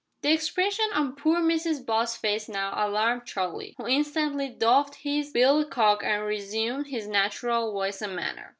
The expression on poor Mrs Butt's face now alarmed Charlie, who instantly doffed his billycock and resumed his natural voice and manner.